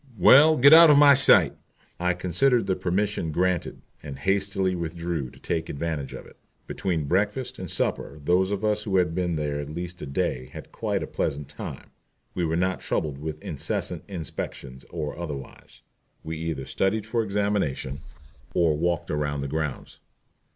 "Well, get out of my sight." I considered the permission granted, and hastily withdrew to take advantage of it. Between breakfast and supper those of us who had been there at least a day had quite a pleasant time. We were not troubled with incessant inspections or otherwise. We either studied for examination or walked around the grounds.